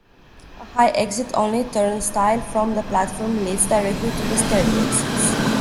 A high exit-only turnstile from the platform leads directly to the staircases.